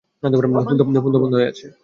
Phone তো বন্ধ হয়ে আছে।